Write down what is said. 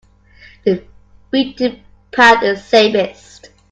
The beaten path is safest.